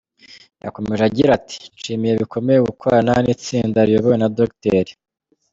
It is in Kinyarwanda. Yakomeje agira ati “ Nishimiye bikomeye gukorana n’itsinda riyobowe na Dr.